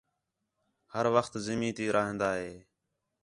ہر وخت زمین تی راہن٘دا ہے